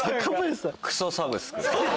クソサブスク。